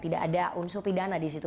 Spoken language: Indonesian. tidak ada unsur pidana di situ